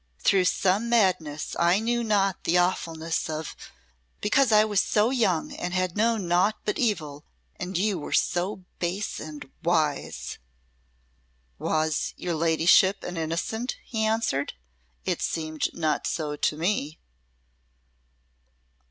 through some madness I knew not the awfulness of because I was so young and had known naught but evil and you were so base and wise." "Was your ladyship an innocent?" he answered. "It seemed not so to me."